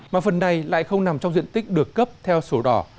mà phần này lại không nằm trong diện tích được cấp theo sổ đỏ